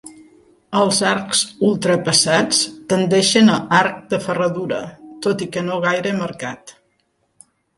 Els arcs ultrapassats tendeixen a arc de ferradura, tot i que no gaire marcat.